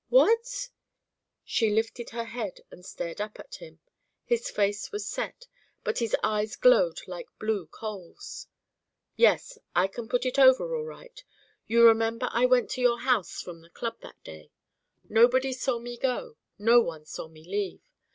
"What?" She lifted her head and stared up at him. His face was set, but his eyes glowed like blue coals. "Yes. I can put it over, all right. You remember I went to your house from the Club that day. Nobody saw me go; no one saw me leave.